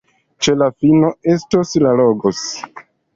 Ĉe la fino estos la Logos!